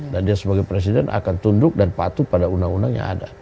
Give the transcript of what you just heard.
dan dia sebagai presiden akan tunduk dan patuh pada undang undang yang ada